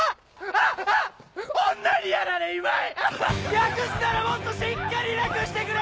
略すならもっとしっかり略してくれ！